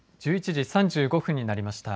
１１時３５分になりました。